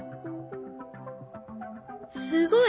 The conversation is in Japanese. すごい！